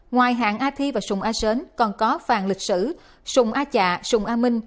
ngoài hàng a thi và sùng a sến còn có vàng lịch sử sùng a trạ sùng a minh